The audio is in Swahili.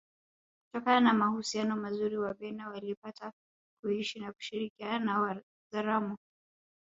Kutokana na mahusiano mazuri Wabena walipata kuishi na kushirikiana na Wazaramo